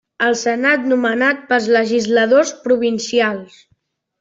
El Senat nomenat pels legisladors provincials.